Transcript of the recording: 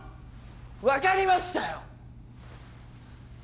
分かりましたよ！